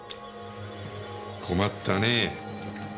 困ったねぇ。